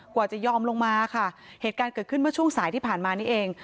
กว่าจะยอมลงมาค่ะเหตุการณ์เกิดขึ้นเมื่อช่วงสายที่ผ่านมานี้เอง